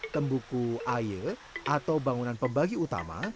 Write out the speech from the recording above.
tembuku aye atau bangunan pembagi utama